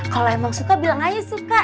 kalau emang suka bilang aja suka